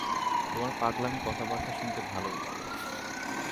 তোমার পাগলামি কথাবার্তা শুনতে ভালোই লাগে।